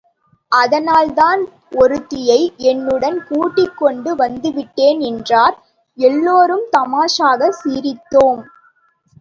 அதனால்தான் ஒருத்தியை என்னுடன் கூட்டிக் கொண்டு வந்துவிட்டேன் என்றார். எல்லோரும் தாமாஷாகச் சிரித்தோம்.